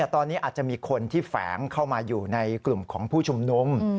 ตอนนี้อาจจะมีคนที่แฝงเข้ามาอยู่ในกลุ่มของผู้ชุมนุม